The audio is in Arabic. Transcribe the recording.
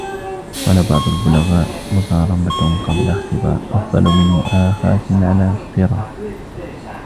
وَقَالَ بَعْضُ الْبُلَغَاءِ مُصَارَمَةٌ قَبْلَ اخْتِبَارٍ ، أَفْضَلُ مِنْ مُؤَاخَاةٍ عَلَى اغْتِرَارٍ